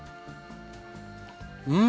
うん！